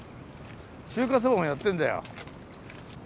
中華そばもやってんだよ。